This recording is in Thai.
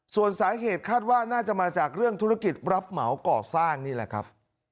ส่วนสาเหตุคาดว่าน่าจะมาจากเรื่องธุรกิจรับเหมาก่อสร้างนี่แหละครับ